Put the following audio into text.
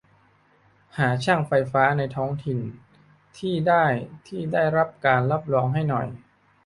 หาช่างไฟฟ้าในท้องถิ่นที่ได้ที่รับการรับรองให้หน่อย